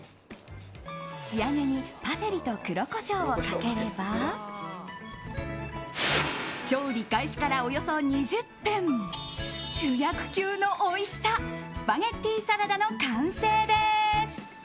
仕上げにパセリと黒コショウをかければ調理開始からおよそ２０分主役級のおいしさスパゲティサラダの完成です。